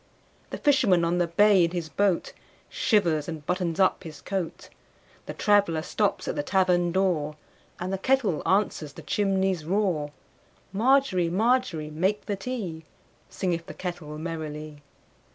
The fisherman on the bay in his boatShivers and buttons up his coat; The traveller stops at the tavern door, And the kettle answers the chimney's roar. Margery, Margery, make the tea, Singeth the kettle merrily.